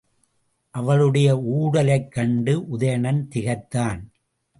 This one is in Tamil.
அவளுடைய ஊடலைக் கண்டு உதயணன் திகைத்தான்.